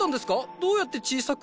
どうやって小さく？